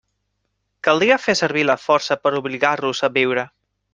Caldria fer servir la força per a obligar-los a viure.